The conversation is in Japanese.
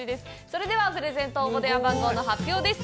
それでは、プレゼント応募電話番号の発表です。